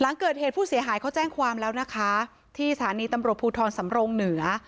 หลังเกิดเหตุผู้เสียหายเขาแจ้งความแล้วนะคะที่สถานีตำรวจภูทรสำรงเหนือ